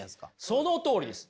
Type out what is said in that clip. そのとおりです！